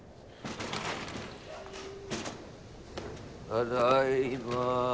ただいま。